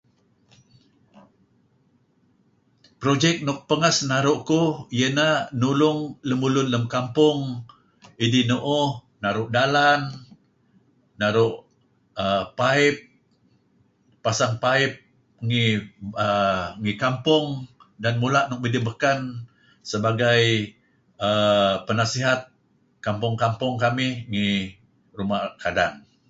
Projek nuk pengah sinaru' kuh iyeh neh nulung lemulun lem kampung idih nu'uh naru' dalan naru' err paip pasang paip ngi err kampung dan mula' nuk midih beken sebagai err penasihat kampung-kampung kamih ngi ruma' kadang.